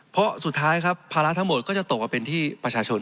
เพราะสุดท้ายครับภาระทั้งหมดก็จะตกมาเป็นที่ประชาชน